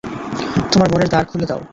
তোমার মনের দ্বার খুলে দাও!